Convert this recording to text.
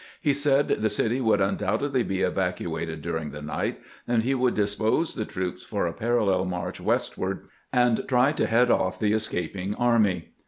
He said the city would undoubtedly be evacuated during tbe night, and he would dispose the troops for a parallel march, westward, and try to head off the escaping army.